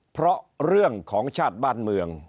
เพราะเรื่องของชาติบ้านเมือง